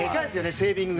セービングが。